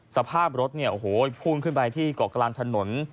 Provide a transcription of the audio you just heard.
สภาพรถเนี่ยโอ้โหพุ่งขึ้นไปที่เกาะกลางถนน